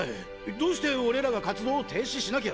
どうして俺らが活動を停止しなきゃ！